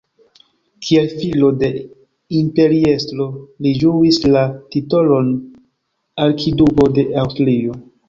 Kiel filo de imperiestro, li ĝuis la titolon "Arkiduko de Aŭstrio".